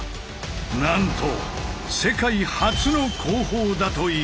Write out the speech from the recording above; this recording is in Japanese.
なんと世界初の工法だという。